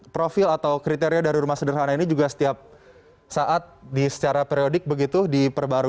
profil atau kriteria dari rumah sederhana ini juga setiap saat secara periodik begitu diperbarui